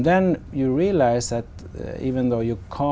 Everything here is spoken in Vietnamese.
là một trong những năm